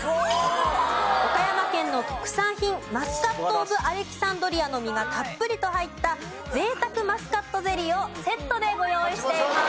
岡山県の特産品マスカット・オブ・アレキサンドリアの実がたっぷりと入った贅沢マスカットゼリーをセットでご用意しています。